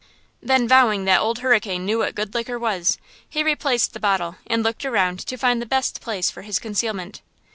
Then vowing that old Hurricane knew what good liquor was, he replaced the bottle and looked around to find the best place for his concealment.